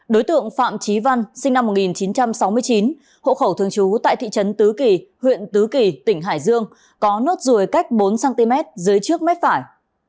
đối tượng phạm trí văn sinh năm một nghìn chín trăm sáu mươi chín hộ khẩu thường trú tại thị trấn tứ kỳ huyện tứ kỳ tỉnh hải dương có nốt ruồi cách bốn cm dưới trước mép phải